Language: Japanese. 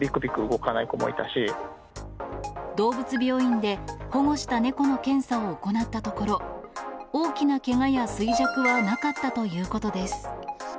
動物病院で保護した猫の検査を行ったところ、大きなけがや衰弱はなかったということです。